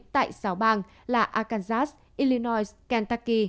tại sáu bang là arkansas illinois kentucky